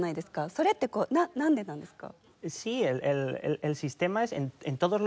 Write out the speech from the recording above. それってなんでなんですか？